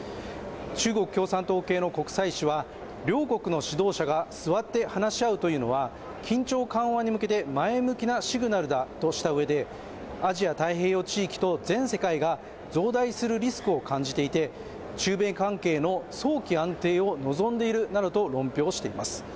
中国共産党系の国際紙は両国の指導者が座って話し合うというのは緊張緩和に向けて前向きなシグナルだとしたうえでアジア太平洋地域と全世界が増大するリスクを感じていて中米関係の早期安定を望んでいるなどと論評しています